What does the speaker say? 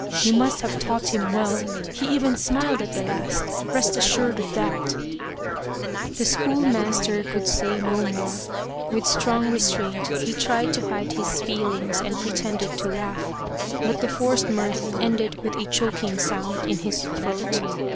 You must have taught him well he even smiled at the last rest assured of that !" The schoolmaster could say no more, with strong restraint he tried to hide his feelings and pretended 215 Loyal, Even Unto Death to laugh, but the forced mirth ended with a choking sound in his throat.